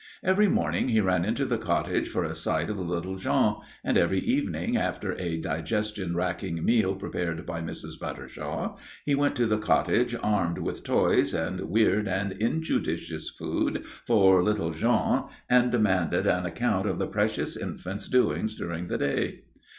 Every morning he ran into the cottage for a sight of little Jean and every evening after a digestion racking meal prepared by Mrs. Buttershaw he went to the cottage armed with toys and weird and injudicious food for little Jean and demanded an account of the precious infant's doings during the day.